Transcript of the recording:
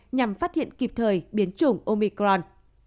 nhằm phát hiện kịp thời biến chủng omicron